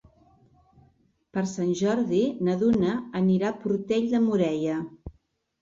Per Sant Jordi na Duna anirà a Portell de Morella.